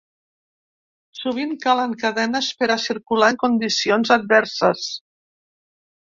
Sovint calen cadenes per a circular en condicions adverses.